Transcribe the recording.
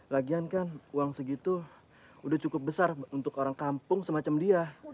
lagian kan uang segitu udah cukup besar untuk orang kampung semacam dia